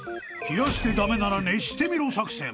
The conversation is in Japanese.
［冷やして駄目なら熱してみろ作戦］